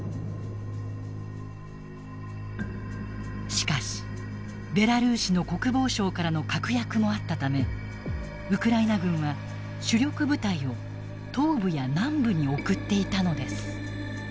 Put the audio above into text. しかしベラルーシの国防相からの確約もあったためウクライナ軍は主力部隊を東部や南部に送っていたのです。